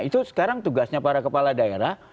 itu sekarang tugasnya para kepala daerah